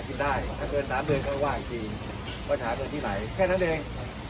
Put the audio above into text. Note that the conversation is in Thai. กินได้ถ้าเกิดสามเดือนก็ว่าอีกทีว่าจะหาเงินที่ไหนแค่นั้นเอง